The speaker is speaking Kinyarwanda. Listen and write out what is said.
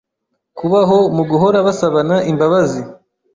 kubaho mu guhora basabana imbabazi